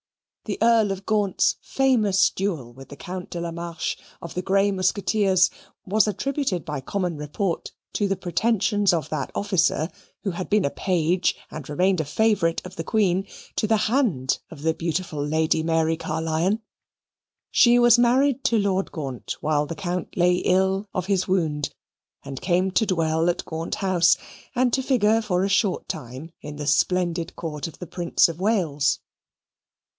The Earl of Gaunt's famous duel with the Count de la Marche, of the Grey Musqueteers, was attributed by common report to the pretensions of that officer (who had been a page, and remained a favourite of the Queen) to the hand of the beautiful Lady Mary Caerlyon. She was married to Lord Gaunt while the Count lay ill of his wound, and came to dwell at Gaunt House, and to figure for a short time in the splendid Court of the Prince of Wales.